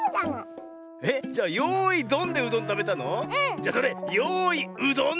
じゃそれ「よいうどん！」